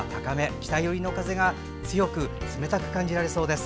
北寄りの風が強く、冷たく感じられそうです。